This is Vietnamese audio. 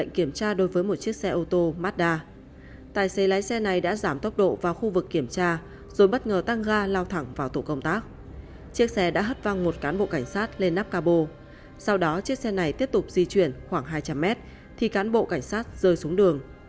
khi chiếc xe này tiếp tục di chuyển khoảng hai trăm linh m thì cán bộ cảnh sát rơi xuống đường